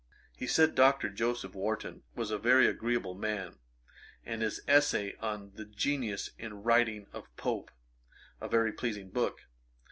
He said, Dr. Joseph Warton was a very agreeable man, and his Essay on the Genius and Writings of Pope, a very pleasing book.